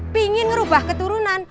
pingin ngerubah keturunan